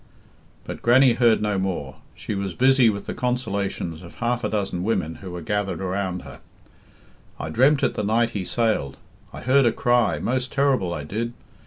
But Grannie heard no more. She was busy with the consolations of half a dozen women who were gathered around her. "I dreamt it the night he sailed. I heard a cry, most terrible, I did.